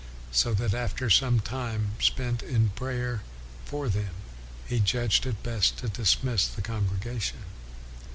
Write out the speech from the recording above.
So that after some time spent in prayer for them, I judged it best to dismiss the congregation."